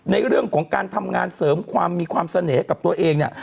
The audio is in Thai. ในเรื่องของการทำงานเสริมความมีความเสน่ห์ให้กับตัวเองเนี่ย